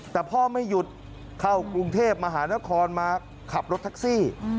แต่พ่อไม่หยุดเข้ากรุงเทพมหานครมาขับรถแท็กซี่